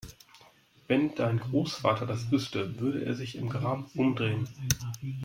Wenn dein Großvater das wüsste, würde er sich im Grab umdrehen!